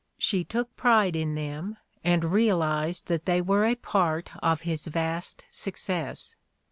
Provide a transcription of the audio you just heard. She took pride in them, and realized that they were a part of his vast success.